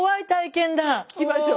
聞きましょう。